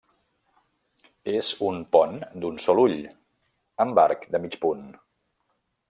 És un pont d'un sol ull, amb arc de mig punt.